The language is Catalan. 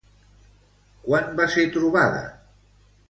Quan va ser trobada?